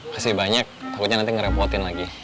masih banyak takutnya nanti ngerepotin lagi